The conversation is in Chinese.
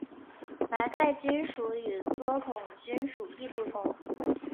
麻盖菌属与多孔菌属亦不同。